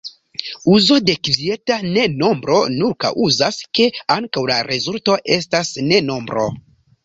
Uzo de kvieta ne nombro nur kaŭzas ke ankaŭ la rezulto estas ne nombro.